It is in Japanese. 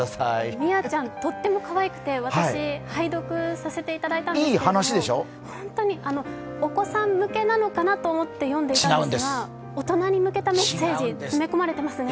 ミアちゃんとってもかわいくて、私も読んでみたんですがお子さん向けかなと思って読んでいたんですが、大人に向けたメッセージ、詰め込まれてますね。